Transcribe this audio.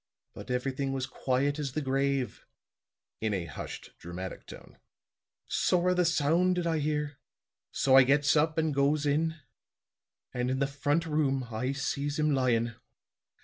But everything was quiet as the grave," in a hushed dramatic tone. "Sorra the sound did I hear. So I gets up and goes in. And in the front room I sees him lyin'.